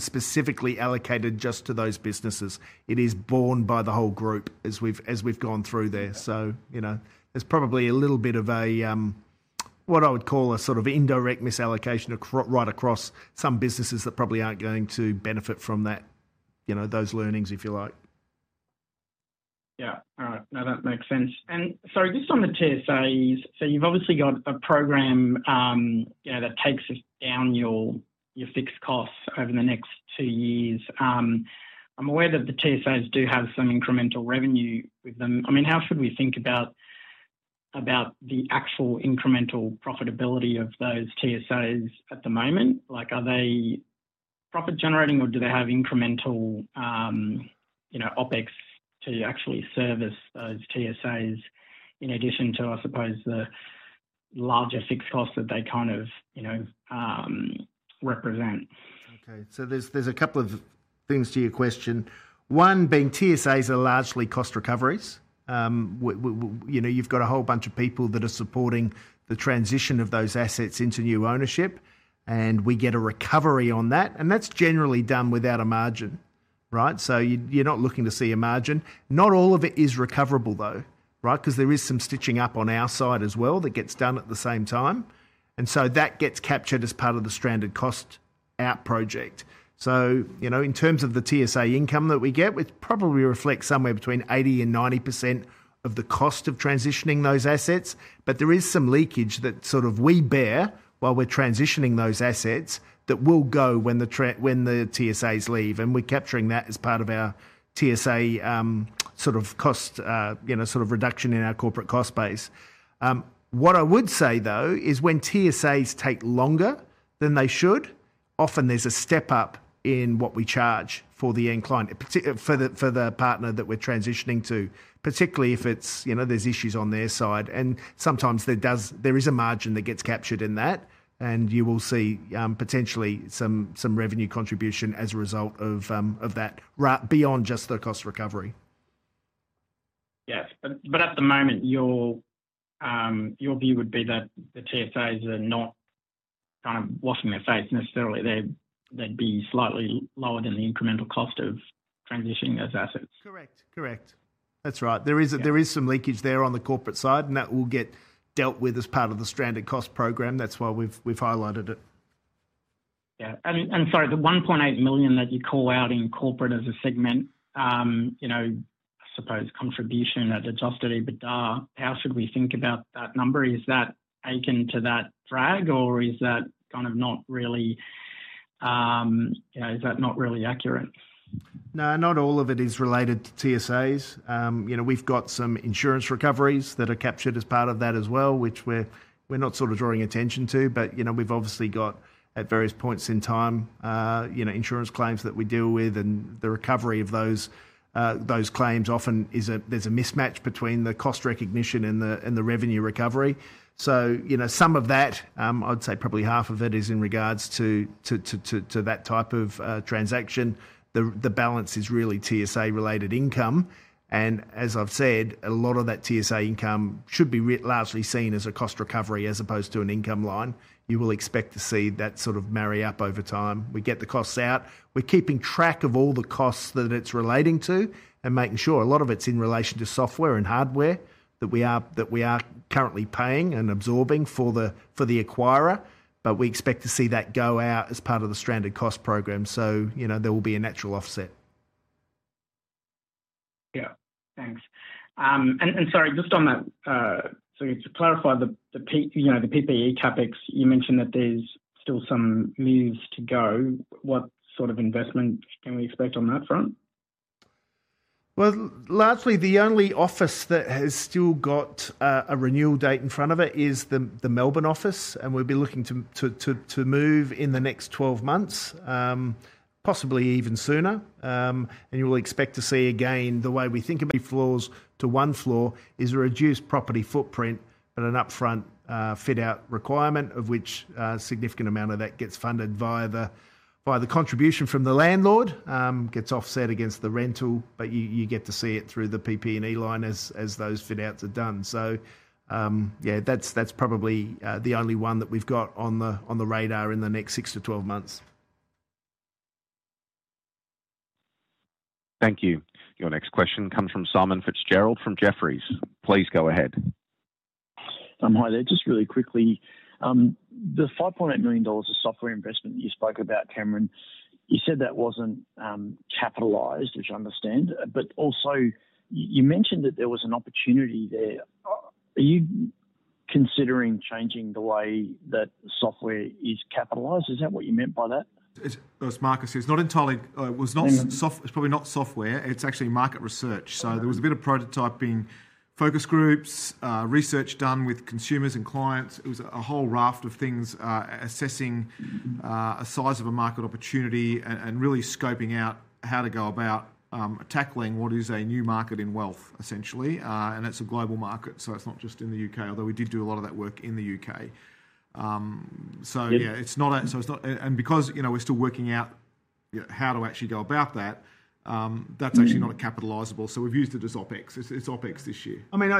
[SPEAKER 2] specifically allocated just to those businesses. It is borne by the whole group as we've gone through there. There's probably a little bit of what I would call a sort of indirect misallocation right across some businesses that probably aren't going to benefit from those learnings, if you like.
[SPEAKER 8] All right. No, that makes sense. Sorry, just on the TSAs, you've obviously got a program that takes us down your fixed costs over the next two years. I'm aware that the TSAs do have some incremental revenue with them. How should we think about the actual incremental profitability of those TSAs at the moment? Are they profit generating or do they have incremental OpEx to actually service those TSAs in addition to, I suppose, the larger fixed costs that they represent?
[SPEAKER 2] Okay, so there's a couple of things to your question. One being TSAs are largely cost recoveries. You've got a whole bunch of people that are supporting the transition of those assets into new ownership, and we get a recovery on that. That's generally done without a margin, right? You're not looking to see a margin. Not all of it is recoverable, though, right? There is some stitching up on our side as well that gets done at the same time, and that gets captured as part of the stranded cost out project. In terms of the TSA income that we get, which probably reflects somewhere between 80% and 90% of the cost of transitioning those assets, there is some leakage that we bear while we're transitioning those assets that will go when the TSAs leave. We're capturing that as part of our TSA cost, sort of reduction in our corporate cost base. What I would say, though, is when TSAs take longer than they should, often there's a step up in what we charge for the end client, for the partner that we're transitioning to, particularly if there's issues on their side. Sometimes there is a margin that gets captured in that, and you will see potentially some revenue contribution as a result of that, beyond just the cost recovery.
[SPEAKER 8] Yes, at the moment, your view would be that the TSAs are not kind of washing their face necessarily. They'd be slightly lower than the incremental cost of transitioning those assets.
[SPEAKER 2] Correct, correct. That's right. There is some leakage there on the corporate side, and that will get dealt with as part of the stranded cost program. That's why we've highlighted it.
[SPEAKER 8] Yeah, sorry, the 1.8 million that you call out in Corporate as a segment, you know, I suppose contribution to that adjusted EBITDA, how should we think about that number? Is that taken to that drag, or is that kind of not really, you know, is that not really accurate?
[SPEAKER 2] No, not all of it is related to TSAs. We've got some insurance recoveries that are captured as part of that as well, which we're not sort of drawing attention to, but we've obviously got at various points in time insurance claims that we deal with, and the recovery of those claims often is a mismatch between the cost recognition and the revenue recovery. Some of that, I'd say probably half of it, is in regards to that type of transaction. The balance is really TSA-related income, and as I've said, a lot of that TSA income should be largely seen as a cost recovery as opposed to an income line. You will expect to see that sort of marry up over time. We get the costs out. We're keeping track of all the costs that it's relating to and making sure a lot of it's in relation to software and hardware that we are currently paying and absorbing for the acquirer, but we expect to see that go out as part of the stranded cost program. There will be a natural offset.
[SPEAKER 8] Thanks, just on that, to clarify the PPE CapEx, you mentioned that there's still some moves to go. What sort of investment can we expect on that front?
[SPEAKER 2] Largely the only office that has still got a renewal date in front of it is the Melbourne office, and we'll be looking to move in the next 12 months, possibly even sooner. You will expect to see again the way we think. Floors to one floor is a reduced property footprint and an upfront fit-out requirement, of which a significant amount of that gets funded via the contribution from the landlord, gets offset against the rental, but you get to see it through the PPE and E line as those fit-outs are done. That's probably the only one that we've got on the radar in the next 6 months-12 months.
[SPEAKER 3] Thank you. Your next question comes from Simon Fitzgerald from Jefferies. Please go ahead.
[SPEAKER 9] Hi there, just really quickly. The 5.8 million dollars of software investment you spoke about, Cameron, you said that wasn't capitalized, which I understand, but also you mentioned that there was an opportunity there. Are you considering changing the way that software is capitalized? Is that what you meant by that?
[SPEAKER 2] As Marcus said, it's not entirely, it's probably not software. It's actually market research. There was a bit of prototyping, focus groups, research done with consumers and clients. It was a whole raft of things assessing a size of a market opportunity and really scoping out how to go about tackling what is a new market in wealth, essentially. That's a global market, so it's not just in the U.K., although we did do a lot of that work in the U.K. It's not, and because we're still working out how to actually go about that, that's actually not capitalizable, so we've used it as OpEx. It's OpEx this year.
[SPEAKER 1] I mean,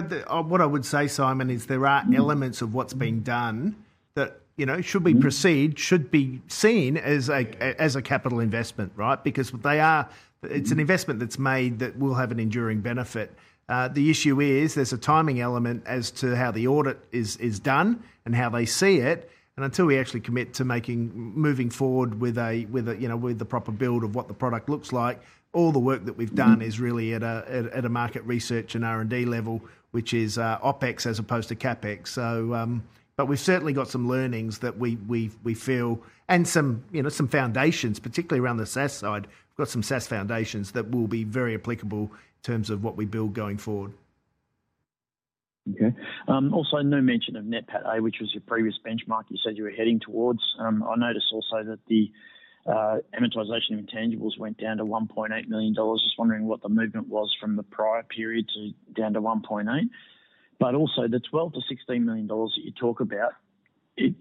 [SPEAKER 1] what I would say, Simon, is there are elements of what's been done that should be perceived, should be seen as a capital investment, right? Because they are, it's an investment that's made that will have an enduring benefit. The issue is there's a timing element as to how the audit is done and how they see it. Until we actually commit to making, moving forward with a, you know, with the proper build of what the product looks like, all the work that we've done is really at a market research and R&D level, which is OpEx as opposed to CapEx. We've certainly got some learnings that we feel and some, you know, some foundations, particularly around the SaaS side. We've got some SaaS foundations that will be very applicable in terms of what we build going forward.
[SPEAKER 9] Okay. Also, no mention of NPAT, which was your previous benchmark you said you were heading towards. I noticed also that the amortization of intangibles went down to 1.8 million dollars. I'm just wondering what the movement was from the prior period to down to 1.8 million. Also, the 12-16 million dollars that you talk about, they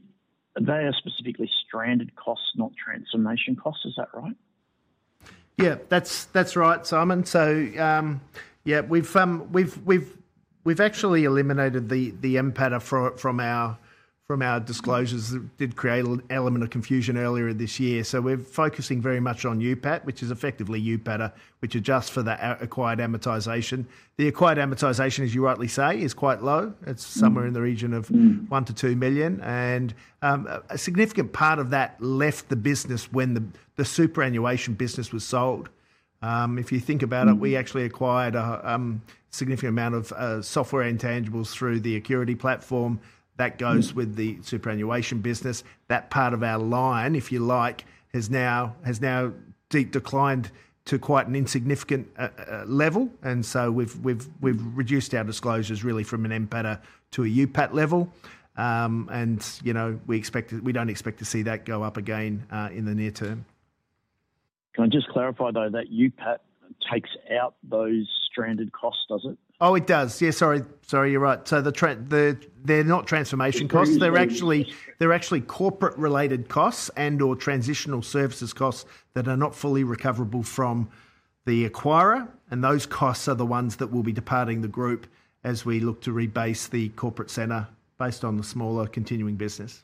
[SPEAKER 9] are specifically stranded costs, not transformation costs, is that right?
[SPEAKER 2] Yeah, that's right, Simon. We've actually eliminated the NPAT from our disclosures. It did create an element of confusion earlier this year. We're focusing very much on UPAT, which is effectively UPAT, which adjusts for the acquired amortization. The acquired amortization, as you rightly say, is quite low. It's somewhere in the region of 1 million-2 million. A significant part of that left the business when the superannuation business was sold. If you think about it, we actually acquired a significant amount of software intangibles through the Accurity platform that goes with the superannuation business. That part of our line, if you like, has now declined to quite an insignificant level. We've reduced our disclosures really from an NPAT to a UPAT level. We expect we don't expect to see that go up again in the near term.
[SPEAKER 9] Can I just clarify though that UPAT takes out those stranded costs?
[SPEAKER 1] Oh, it does. Yeah, sorry, you're right. They're not transformation costs. They're actually corporate-related costs and/or transitional services costs that are not fully recoverable from the acquirer. Those costs are the ones that will be departing the group as we look to rebase the corporate center based on the smaller continuing business.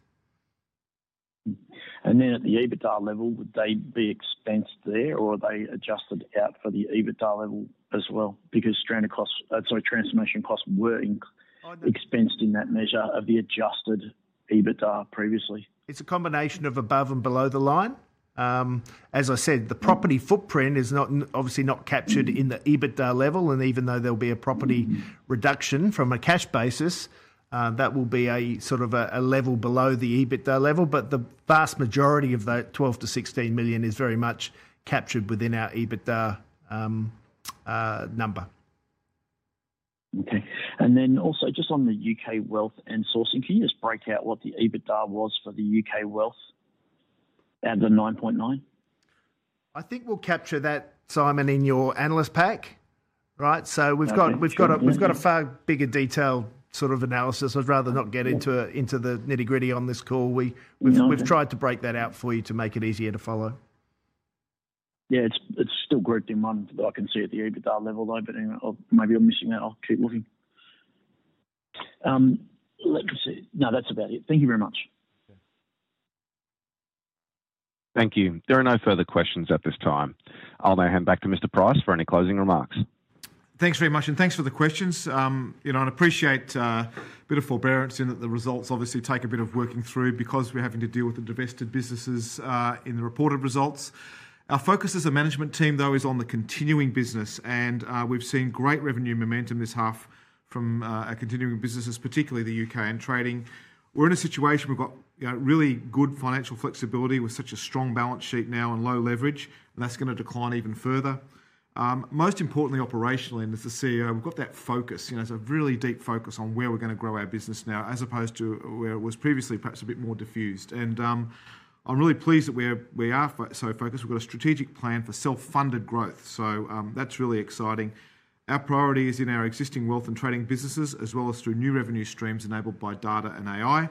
[SPEAKER 9] At the EBITDA level, would they be expensed there, or are they adjusted out for the EBITDA level as well? Because stranded costs, sorry, transformation costs were expensed in that measure of the adjusted EBITDA previously.
[SPEAKER 1] It's a combination of above and below the line. As I said, the property footprint is obviously not captured in the EBITDA level. Even though there'll be a property reduction from a cash basis, that will be a sort of a level below the EBITDA level. The vast majority of that 12 million-16 million is very much captured within our EBITDA number.
[SPEAKER 9] Okay. Also, just on the U.K. wealth and sourcing, can you break out what the EBITDA was for the U.K. wealth out of the 9.9 million?
[SPEAKER 1] I think we'll capture that, Simon, in your analyst pack, right? We've got a far bigger detail sort of analysis. I'd rather not get into the nitty-gritty on this call. We've tried to break that out for you to make it easier to follow.
[SPEAKER 9] Yeah, it's still great demand that I can see at the EBITDA level, though. Maybe you're missing that. I'll keep looking. Let's see. No, that's about it. Thank you very much.
[SPEAKER 3] Thank you. There are no further questions at this time. I'll now hand back to Mr. Price for any closing remarks.
[SPEAKER 1] Thanks very much and thanks for the questions. I'd appreciate a bit of forbearance in that the results obviously take a bit of working through because we're having to deal with the divested businesses in the reported results. Our focus as a management team, though, is on the continuing business. We've seen great revenue momentum this half from our continuing businesses, particularly the U.K. and trading. We're in a situation where we've got really good financial flexibility with such a strong balance sheet now and low leverage, and that's going to decline even further. Most importantly, operationally, and as the CEO, we've got that focus. It's a really deep focus on where we're going to grow our business now, as opposed to where it was previously, perhaps a bit more diffused. I'm really pleased that we are so focused. We've got a strategic plan for self-funded growth. That's really exciting. Our priority is in our existing wealth and trading businesses, as well as through new revenue streams enabled by data and AI.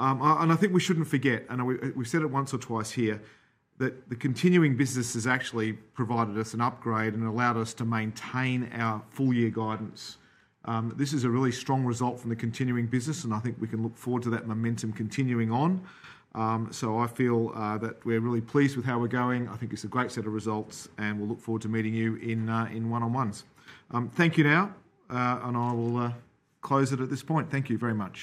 [SPEAKER 1] I think we shouldn't forget, and we've said it once or twice here, that the continuing business has actually provided us an upgrade and allowed us to maintain our full-year guidance. This is a really strong result from the continuing business, and I think we can look forward to that momentum continuing on. I feel that we're really pleased with how we're going. I think it's a great set of results, and we'll look forward to meeting you in one-on-ones. Thank you now, and I will close it at this point. Thank you very much.